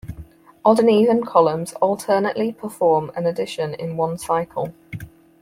Odd and even columns alternately perform an addition in one cycle.